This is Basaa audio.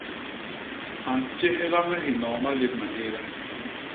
A ntjégha me hinoo malép malééga.